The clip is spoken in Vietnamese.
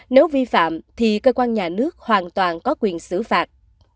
nếu vi phạm thì cơ quan nhà nước hoàn toàn có quyền xử phạt